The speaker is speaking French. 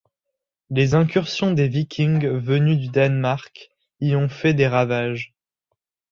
Les incursions des Vikings venus du Danemark y ont fait des ravages.